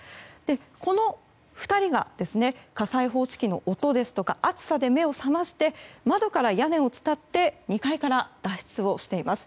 この２人が火災報知機の音ですとか熱さで目を覚まして窓から屋根を伝って２階から脱出をしています。